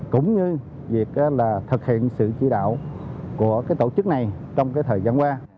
chính như việc thực hiện sự chỉ đạo của tổ chức này trong thời gian qua